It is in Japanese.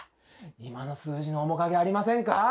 今の数字の面影ありませんか？